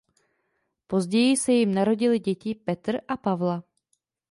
Později se jim narodily děti Petr a Pavla.